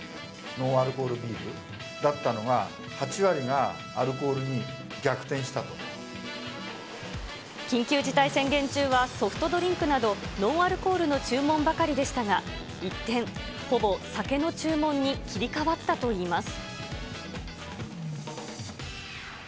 ノンアルコールビールだったのが、緊急事態宣言中は、ソフトドリンクなどノンアルコールの注文ばかりでしたが、一転、ほぼ酒の注文に切り替わったといいます。